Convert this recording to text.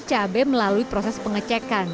cabai melalui proses pengecekan